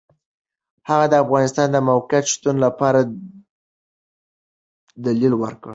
هغه د افغانستان د موقت شتون لپاره دلیل ورکړ.